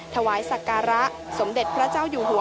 ถวายสักการะสมเด็จพระเจ้าอยู่หัว